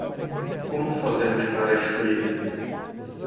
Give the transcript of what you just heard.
Como fazemos para escolher?